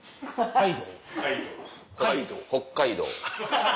北海道？